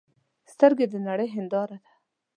سترګې د نړۍ هنداره ده